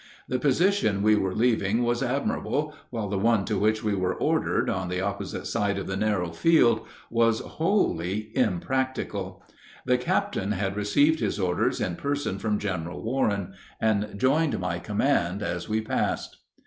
The position we were leaving was admirable, while the one to which we were ordered, on the opposite side of the narrow field, was wholly impracticable. The captain had received his orders in person from General Warren, and joined my command as we passed.